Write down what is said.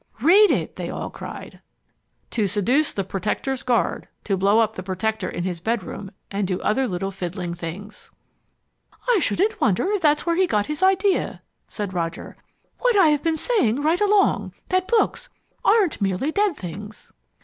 "Read it!" they all cried. "To seduce the Protector's guard, to blow up the Protector in his bedroom, and do other little fiddling things." "I shouldn't wonder if that's where he got his idea," said Roger. "What have I been saying right along that books aren't merely dead things!"